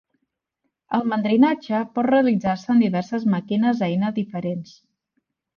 El mandrinatge pot realitzar-se en diverses màquines eina diferents.